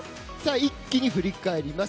一気に振り返ります。